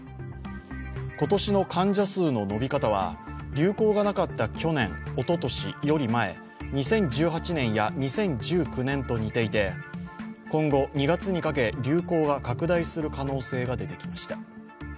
今年の患者数の伸び方は、流行がなかった去年、おととしより前２０１８年や２０１９年と似ていて今後、２月にかけ流行が拡大する可能性が出てきました。